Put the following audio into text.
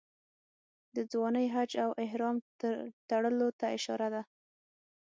د ځوانۍ حج او احرام تړلو ته اشاره ده.